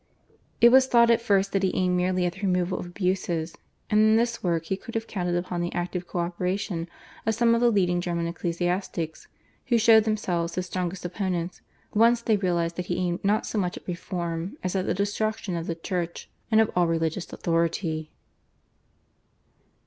It was thought at first that he aimed merely at the removal of abuses, and in this work he could have counted upon the active co operation of some of the leading German ecclesiastics, who showed themselves his strongest opponents once they realised that he aimed not so much at reform as at the destruction of the Church and of all religious authority.